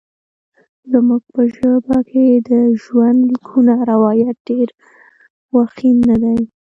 زموږ په ژبه کې د ژوندلیکونو روایت ډېر غوښین نه دی.